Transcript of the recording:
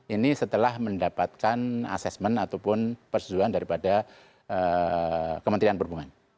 ini setelah mendapatkan assessment ataupun persetujuan daripada kementerian perhubungan